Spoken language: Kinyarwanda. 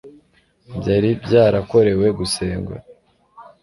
byari byarakorewe gusengwa